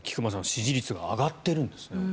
支持率が上がっているんですね。